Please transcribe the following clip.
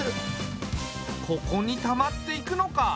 ここにたまっていくのか。